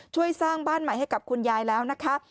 ช่วยสร้างบ้านใหม่ให้กับคุณยายแล้วนะคะ